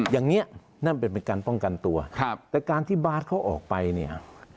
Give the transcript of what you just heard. อย่างนี้นั่นเป็นการป้องกันตัวครับแต่การที่บาร์ดเขาออกไปเนี่ย